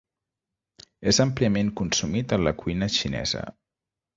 És àmpliament consumit en la cuina xinesa.